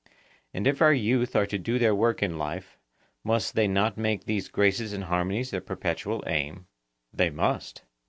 And if our youth are to do their work in life, must they not make these graces and harmonies their perpetual aim? They must.